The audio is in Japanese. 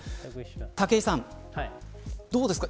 武井さん、どうですか。